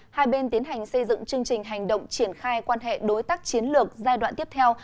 hai bên tiến hành xây dựng chương trình hành động triển khai quan hệ đối tác chiến lược giai đoạn tiếp theo